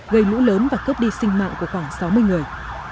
gây lũ lớn và cướp đi sinh mạng của khoảng sáu mươi người